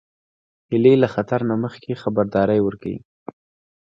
هیلۍ له خطر نه مخکې خبرداری ورکوي